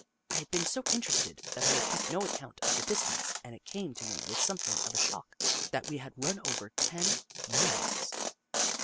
I had been so interested that I had kept no account of the distance and it came to me with something of a shock that we had run over ten miles.